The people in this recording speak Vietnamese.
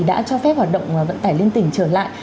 đã cho phép hoạt động vận tải liên tỉnh trở lại